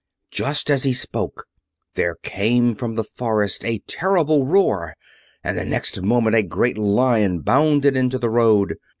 Just as he spoke there came from the forest a terrible roar, and the next moment a great Lion bounded into the road.